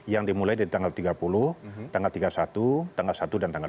yang dimulai dari tanggal tiga puluh tanggal tiga puluh satu tanggal satu dan tanggal dua puluh